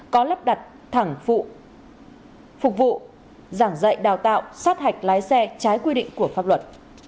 có lắp đặt thẳng phục vụ giảng dạy đào tạo sát hạch lái xe trái quy định của pháp luật